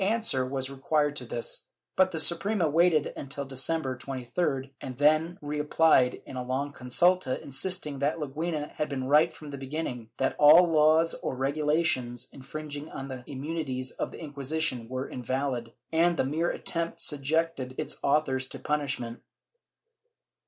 516 CENSORSHIP [Book VIII was required to this, but the Suprema waited until December 23d and then repUed in a long consulta, insisting that Leguina had been right from the beginning; that all laws or regulations infringing the immunities of the Inquisition were invaUd, and the mere attempt subjected its authors to punishment.